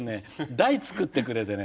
台作ってくれてね